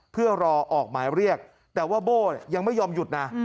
เพื่อรอออกหมายเรียกแต่ว่าโบ้ยังไม่ยอมหยุดนะ